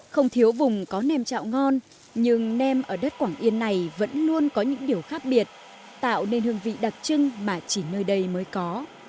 không thiếu vùng có nêm chạo ngon nhưng nem ở đất quảng yên này vẫn luôn có những điều khác biệt tạo nên hương vị đặc trưng mà chỉ nơi đây mới có